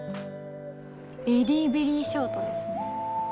ベリーベリーショートですね。